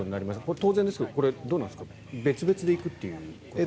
当然ですがこれはどうなんですか別々で行くということに？